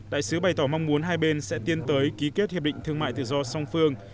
đại sứ bày tỏ mong muốn hai bên sẽ tiến tới ký kết hiệp định thương mại tự do song phương